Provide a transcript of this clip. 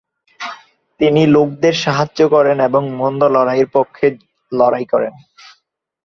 তিনি লোকদের সাহায্য করেন এবং মন্দ লড়াইয়ের পক্ষে লড়াই করেন।